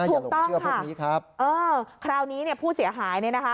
อย่าหลงเชื่อพวกนี้ครับเออคราวนี้ผู้เสียหายนี่นะคะ